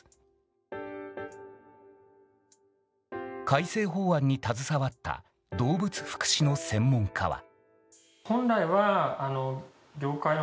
改正法案に携わった動物福祉の専門家は。